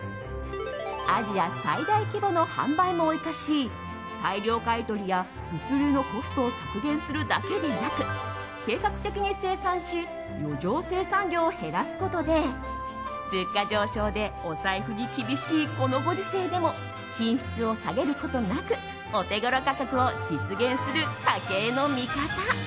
アジア最大規模の販売網を生かし大量買い取りや物流のコストを削減するだけでなく計画的に生産し余剰生産量を減らすことで物価上昇でお財布に厳しいこのご時世でも品質を下げることなくオテゴロ価格を実現する家計の味方。